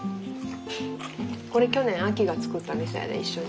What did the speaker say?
これ去年あきが作ったみそやで一緒に。